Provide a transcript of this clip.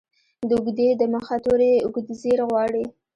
د اوږدې ې د مخه توری اوږدزير غواړي.